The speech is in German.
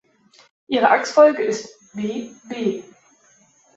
Ihre Achsfolge ist B’B’.